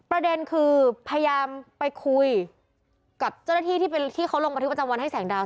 ประเด็นคือพยายามไปคุยกับเจ้าหน้าที่ที่เขาลงบันทึกประจำวันให้แสงดาว